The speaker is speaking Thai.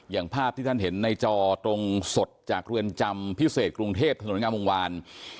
อย่างภาพที่ท่านเห็นในจอตรงสดจากเรือนจำพิเศษกรุงเทพถนนงามวงวาน